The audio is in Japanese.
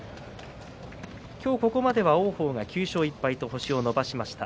今日ここまで王鵬は９勝１敗と星を伸ばしました。